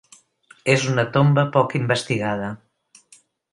És una tomba poc investigada.